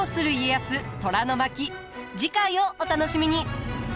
次回をお楽しみに。